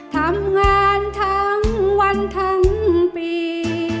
ทำงานทั้งวันทั้งปี